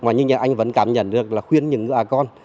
mà như anh vẫn cảm nhận được là khuyên những người con